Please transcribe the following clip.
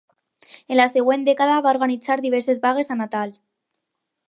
En la següent dècada, va organitzar diverses vagues a Natal.